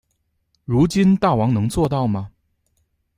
如今大王能做到吗？